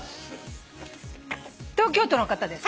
東京都の方です。